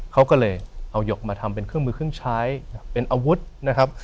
เขาก็เลยเอาหยกมาทำเป็นเครื่องมือเครื่องใช้เป็นอาวุธนะครับ